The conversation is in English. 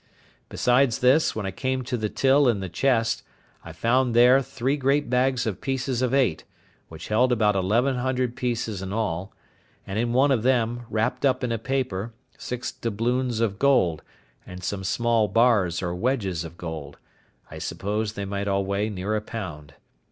Besides this, when I came to the till in the chest, I found there three great bags of pieces of eight, which held about eleven hundred pieces in all; and in one of them, wrapped up in a paper, six doubloons of gold, and some small bars or wedges of gold; I suppose they might all weigh near a pound.